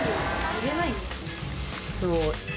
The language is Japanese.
そう。